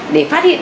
để phát hiện